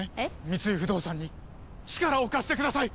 三井不動産に力を貸してください！